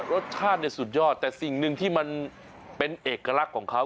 รสชาติเนี่ยสุดยอดแต่สิ่งหนึ่งที่มันเป็นเอกลักษณ์ของเขา